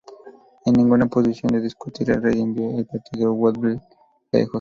En ninguna posición de discutir, el rey envió al partido Woodville lejos.